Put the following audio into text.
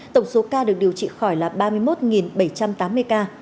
tổng số ca được điều trị khỏi là ba mươi một bảy trăm tám mươi ca